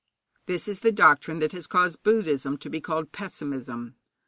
This is the doctrine that has caused Buddhism to be called pessimism.